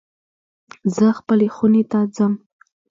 زه خپلی خونی ته ځم